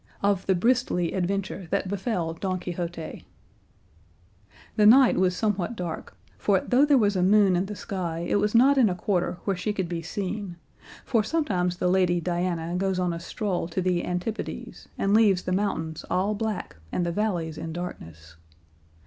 OF THE BRISTLY ADVENTURE THAT BEFELL DON QUIXOTE The night was somewhat dark, for though there was a moon in the sky it was not in a quarter where she could be seen; for sometimes the lady Diana goes on a stroll to the antipodes, and leaves the mountains all black and the valleys in darkness.